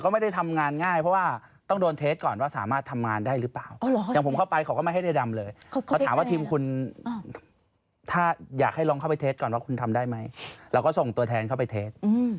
นี่เหรอไซส์เหลือร้อยห้าสิบร้อยหกสิบไซส์